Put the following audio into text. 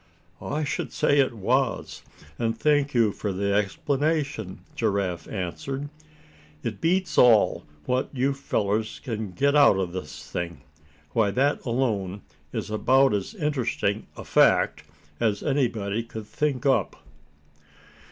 "I should say it was, and thank you for the explanation," Giraffe answered. "It beats all what you fellers can get out of this thing. Why, that alone is about as interesting a fact as anybody could think up."